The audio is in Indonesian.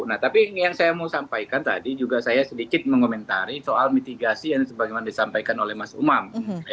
nah tapi yang saya mau sampaikan tadi juga saya sedikit mengomentari soal mitigasi yang sebagaimana disampaikan oleh mas umam